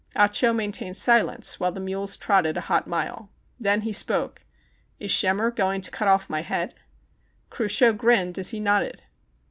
Ah Cho maintained silence while the mules trotted a hot mile. Then he spoke: "Is Schemmer going to cut off mv head V Cruchot grinned as he nodded.